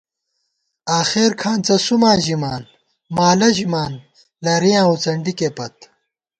آخېر کھانڅہ سُماں ژِمان، مالہ ژِمان ، لَرِیاں وُڅَنڈِکےپت